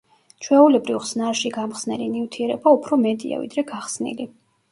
ჩვეულებრივ ხსნარში გამხსნელი ნივთიერება უფრო მეტია ვიდრე გახსნილი.